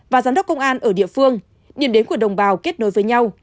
và giám đốc công an ở địa phương điểm đến của đồng bào kết nối với nhau